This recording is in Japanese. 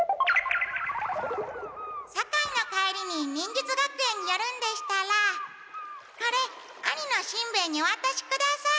堺の帰りに忍術学園によるんでしたらこれ兄のしんべヱにおわたしください。